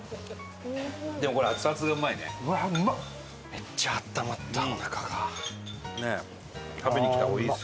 めっちゃあったまったおなかが。